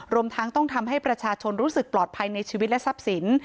รวมทั้งต้องทำให้ประชาชนรู้สึกปลอดภัยในชีวิตและทรัพย์สิน